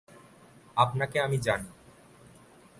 আপনাকে আমি জানি।